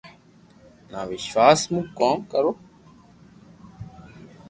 نہ وݾواݾ مون ڪوم ڪرو